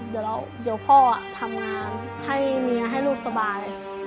เดี๋ยวพ่อทำงานให้เมียให้ลูกสบาย